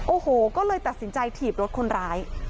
โอ้โหก็เลยตัดสินใจถีบรถคนร้าย